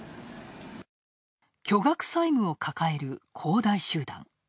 巨額債務を抱える恒大集団。